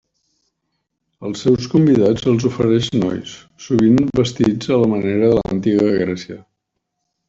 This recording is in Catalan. Als seus convidats els ofereix nois, sovint vestits a la manera de l'antiga Grècia.